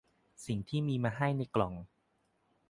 สิ่งที่มีมาให้ในกล่อง